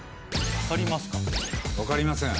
分かりません。